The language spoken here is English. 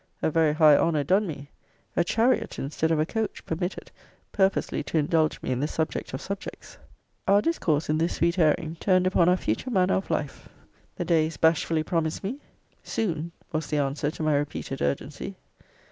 A very high honour done me: a chariot, instead of a coach, permitted, purposely to indulge me in the subject of subjects. Our discourse in this sweet airing turned upon our future manner of life. The day is bashfully promised me. Soon was the answer to my repeated urgency.